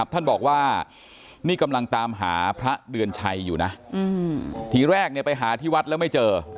ท่านบอกว่านี่กำลังตามหาพระเดือนชัยอยู่นะทีแรกไปหาที่วัดแล้วไม่เจอ